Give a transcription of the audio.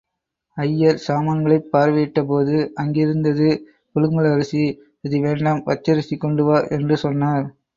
ஐயர் சாமான்களைப் பார்வையிட்ட போது அங்கிருந்தது புழுங்கல் அரிசி, இது வேண்டாம் பச்சரிசி கொண்டு வா —என்று சொன்னார்.